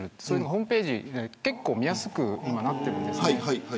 ホームページ、結構見やすくなっているんです。